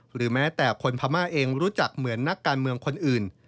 หรือแม้แต่คนพม่าเองรู้จักเหมือนนักการเมืองคนอื่น